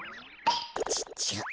ちっちゃ。